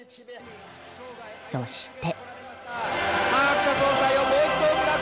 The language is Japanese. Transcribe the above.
そして。